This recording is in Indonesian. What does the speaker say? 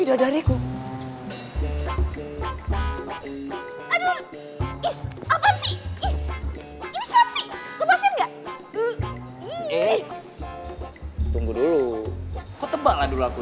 ada udang dibalik batu